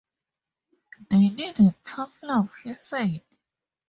They needed "tough love", he said.